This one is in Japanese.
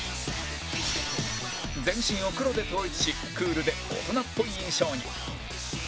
全身を黒で統一しクールで大人っぽい印象に